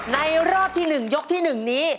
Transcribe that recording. รอบที่๑ยกที่๑นี้